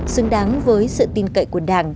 xứng đáng với sự tin cậy của đảng